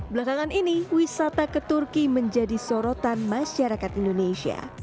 belakangan ini wisata ke turki menjadi sorotan masyarakat indonesia